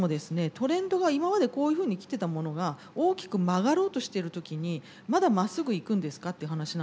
トレンドが今までこういうふうに来てたものが大きく曲がろうとしてる時にまだまっすぐ行くんですかって話なんですね。